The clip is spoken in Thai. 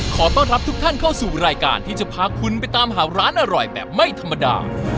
ขอต้อนรับทุกท่านเข้าสู่รายการที่จะพาคุณไปตามหาร้านอร่อยแบบไม่ธรรมดา